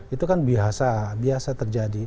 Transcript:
itu kan biasa terjadi